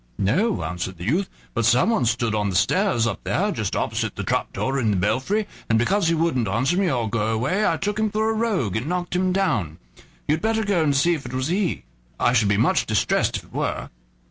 "No," answered the youth; "but someone stood on the stairs up there just opposite the trap door in the belfry, and because he wouldn't answer me, or go away, I took him for a rogue and knocked him down. You'd better go and see if it was he; I should be much distressed if it were."